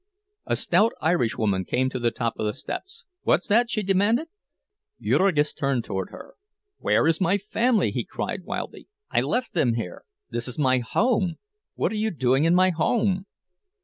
A stout Irishwoman came to the top of the steps. "What's that?" she demanded. Jurgis turned toward her. "Where is my family?" he cried, wildly. "I left them here! This is my home! What are you doing in my home?"